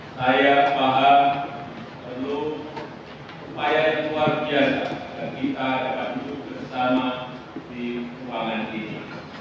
saya paham penuh upaya keluarga dan kita akan duduk bersama di ruangan ini